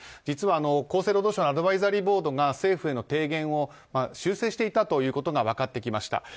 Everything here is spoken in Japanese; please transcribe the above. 実は厚生労働省のアドバイザリーボードが政府への提言を修正していたということが分かってきました。